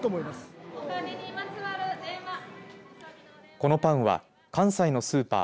このパンは関西のスーパー